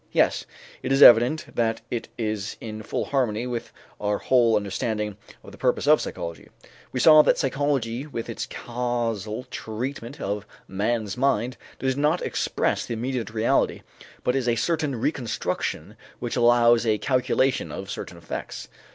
Yes, it is evident that it is in full harmony with our whole understanding of the purpose of psychology. We saw that psychology with its causal treatment of man's mind does not express the immediate reality, but is a certain reconstruction which allows a calculation of certain effects.